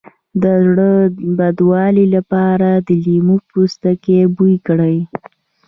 د زړه بدوالي لپاره د لیمو پوستکی بوی کړئ